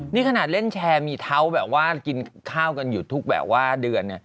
นี่ขนาดเล่นแชร์มีเท้าแบบว่ากินข้าวกันอยู่ทุกแบบว่าเดือนเนี่ย